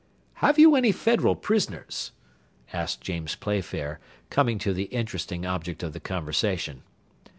"Have you any Federal prisoners?" asked James Playfair, coming to the interesting object of the conversation.